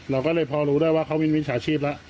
เราก็เลยพอรู้ได้ว่าเขามีมิจฉาชีพแล้ว